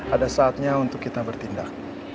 ada saatnya untuk kita bertindak